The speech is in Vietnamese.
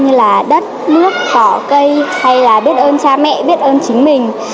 như là đất nước cỏ cây hay là biết ơn cha mẹ biết ơn chính mình